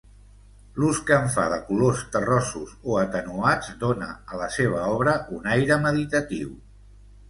L"ús que en fa de colors terrosos o atenuats dóna a la seva obra un aire meditatiu.